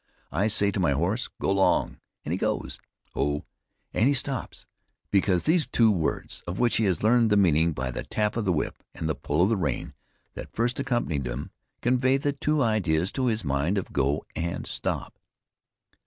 I say to my horse "go 'long" and he goes; "ho!" and he stops: because these two words, of which he has learned the meaning by the tap of the whip, and the pull of the rein that first accompanied them, convey the two ideas to his mind of go and stop.